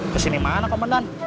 kesini mana komandan